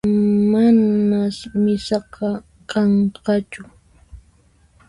Manas misaqa kanqachu